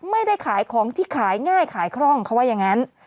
ไม่ได้ขายของที่ขายง่ายขายคร่องเขาว่าอย่างนั้น